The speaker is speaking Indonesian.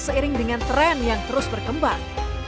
seiring dengan tren yang terus berkembang